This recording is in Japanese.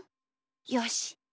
よし。